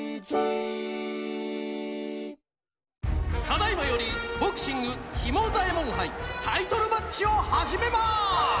ただいまよりボクシングひもざえもんはいタイトルマッチをはじめます！